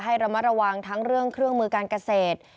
ระมัดระวังทั้งเรื่องเครื่องมือการเกษตร